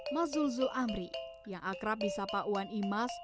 mas zulzul amri yang akrab di sapa wan imas